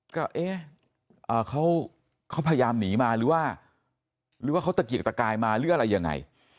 ก็เอ๊ะเขาพยายามหนีมาหรือว่าหรือว่าเขาตะเกียกตะกายมาหรืออะไรยังไง